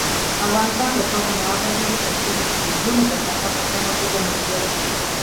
افغانستان تر هغو نه ابادیږي، ترڅو د کورونو کثافات په سمه توګه مدیریت نشي.